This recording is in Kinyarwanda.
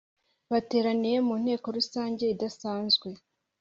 bateraniye mu Nteko Rusange Idasanzwe